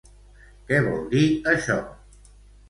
Què vol dir això?